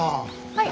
はい。